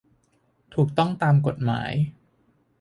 ถูกต้องตามกฎหมาย